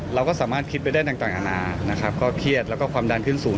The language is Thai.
เราก็สามารถคิดไปได้ต่างอาณานะครับก็เครียดแล้วก็ความดันขึ้นสูง